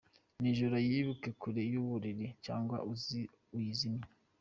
Nijoro uyibike kure y’uburiri cyangwa uyizimye.